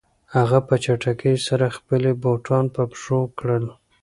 هغه په چټکۍ سره خپلې بوټان په پښو کړل.